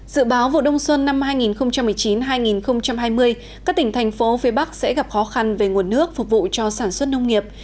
dự báo vụ đông xuân năm hai nghìn một mươi chín hai nghìn hai mươi các tỉnh thành phố phía bắc sẽ gặp khó khăn về nguồn nước phục vụ cho sản xuất nông nghiệp